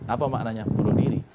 apa maknanya buruh diri